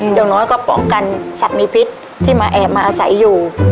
อย่างน้อยก็ป้องกันสัตว์มีพิษที่มาแอบมาอาศัยอยู่